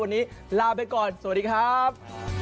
วันนี้ลาไปก่อนสวัสดีครับ